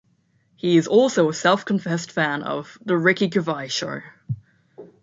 He is also a self-confessed fan of "The Ricky Gervais Show".